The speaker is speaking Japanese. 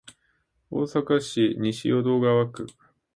大阪市西淀川区